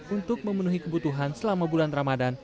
untuk memenuhi kebutuhan selama bulan ramadan